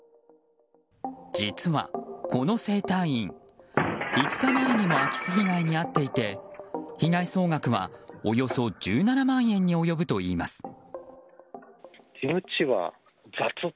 実はこの整体院、５日前にも空き巣被害に遭っていて被害総額はおよそ１７万円に及ぶといいます。